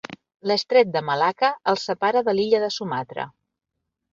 L'estret de Malacca el separa de l'illa de Sumatra.